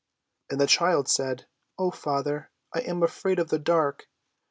And the child said, "Oh, father, I am afraid of the dark.